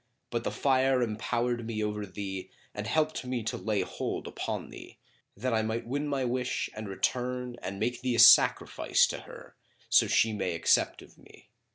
But the Fire empowered me over thee and helped me to lay hold upon thee, that I might win my wish and return and make thee a sacrifice, to her[FN#26] so she may accept of me."